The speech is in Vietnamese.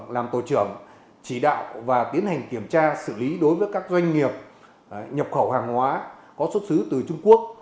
làm tổ trưởng chỉ đạo và tiến hành kiểm tra xử lý đối với các doanh nghiệp nhập khẩu hàng hóa có xuất xứ từ trung quốc